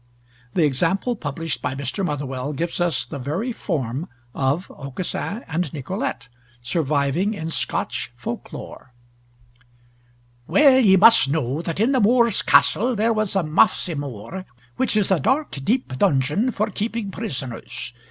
The example published by Mr. Motherwell gives us the very form of Aucassin and Nicolete, surviving in Scotch folk lore: "Well ye must know that in the Moor's Castle, there was a mafsymore, which is a dark deep dungeon for keeping prisoners.